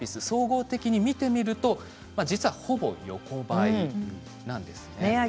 総合的に見てみると実は、ほぼ横ばいなんですね。